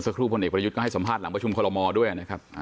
คนเสียครูพระเอกประยุทธ์เข้าให้สัมภาษณ์หลังคุมขอลโมด้วยนะ